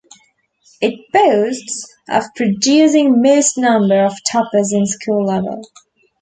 It boasts of producing most number of toppers in School level.